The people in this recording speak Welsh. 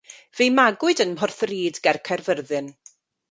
Fe'i magwyd ym Mhorthyrhyd ger Caerfyrddin.